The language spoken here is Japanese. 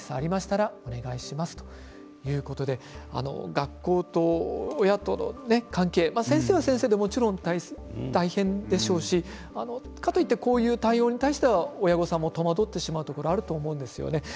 学校と親との関係先生は先生でもちろん大変でしょうしかといって、こういう対応に対しては親御さんも戸惑ってしまうこともあると思います。